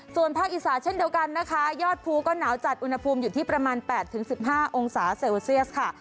ส่วนภาคอีสานเช่นเดียวกันนะคะยอดภูก็หนาวจัดอุณหภูมิอยู่ที่ประมาณ๘๑๕องศาเซลเซียสค่ะ